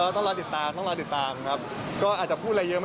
ต้องลองไปถามเขาเอง